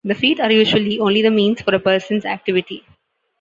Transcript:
The feet are usually only the means for a person's activity.